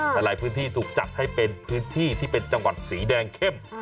หลายพื้นที่ถูกจัดให้เป็นพื้นที่ที่เป็นจังหวัดสีแดงเข้ม